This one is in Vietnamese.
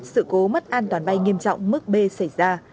sự cố mất an toàn bay nghiêm trọng mức b xảy ra